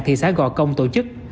thị xã gò công tổ chức